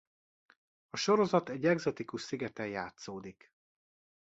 A sorozat egy egzotikus szigeten játszódik.